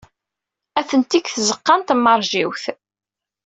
Atenti deg tzeɣɣa n tmeṛjiwt.